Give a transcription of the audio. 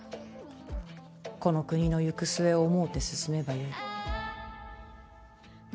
この国の行く末を思うて進めばよい。